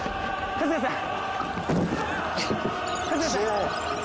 春日さん